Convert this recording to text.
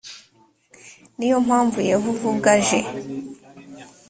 ni yo mpamvu yehova ubwe yaje